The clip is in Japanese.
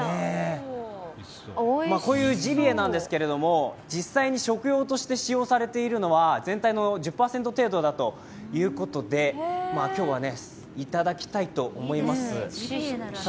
こういうジビエなんですけど実際に食用として使用されているのは全体の１０％程度だということで今日はいただきたいと思います。